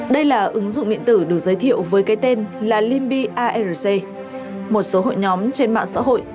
đây là ứng dụng điện tử được giới thiệu với cái tên là liby arc một số hội nhóm trên mạng xã hội